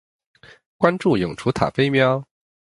关注永雏塔菲喵